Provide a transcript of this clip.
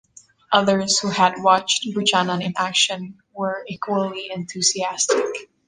Others who had watched Buchanan in action were equally enthusiastic.